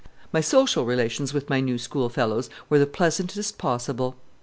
My social relations with my new schoolfellows were the pleasantest possible.